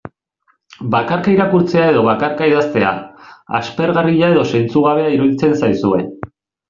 Bakarka irakurtzea edo bakarka idaztea, aspergarria edo zentzugabea iruditzen zaizue.